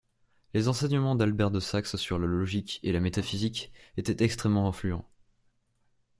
Les enseignements d'Albert de Saxe sur la logique et la métaphysique étaient extrêmement influents.